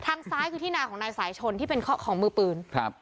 ทางซ้ายคือที่นาของนายสายชนที่เป็นของมือปืนครับ